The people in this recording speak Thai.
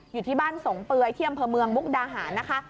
อยู่ที่บ้านสงเปรยเที่ยมเผอร์เมืองมุกดาหารนะคะ